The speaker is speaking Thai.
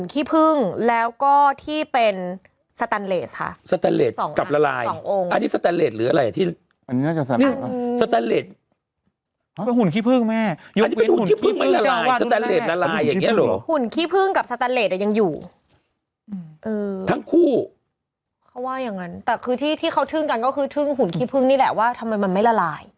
เขาว่าอย่างนั้นแต่คือที่ที่เขาทึ่งกันก็คือทึ่งหุ่นขี้พึ่งนี่แหละว่าทำไมมันไม่ละลาย